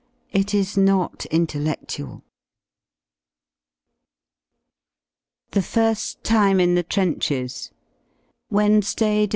It is not intelledual. THE FIRST TIME IN THE TRENCHES Wednesday, Dec.